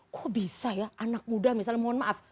kok bisa ya anak muda misalnya mohon maaf